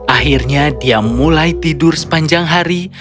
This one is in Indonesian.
akhirnya dia mulai tidur sepanjang hari